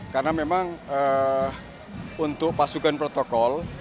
karena memang untuk pasukan protokol